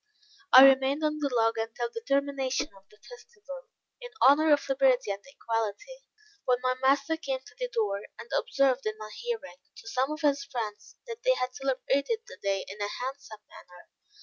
I remained on the log until the termination of the festival, in honor of liberty and equality; when my master came to the door, and observed in my hearing, to some of his friends, that they had celebrated the day in a handsome manner.